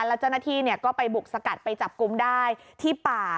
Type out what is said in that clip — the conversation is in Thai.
แล้วเจ้าหน้าที่ก็ไปบุกสกัดไปจับกลุ่มได้ที่ป่า